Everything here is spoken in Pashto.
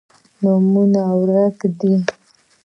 نومونه ورک دي